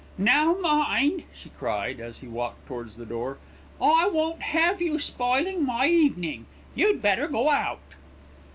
"Now mind," she cried, as he walked towards the door, "I won't have you spoiling my evening, you'd better go out."